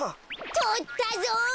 とったぞ！